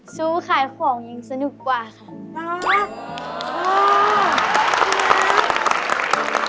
ซื้อขายของยังสนุกกว่าค่ะ